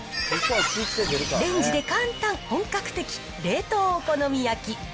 レンジで簡単、本格的、冷凍お好み焼き。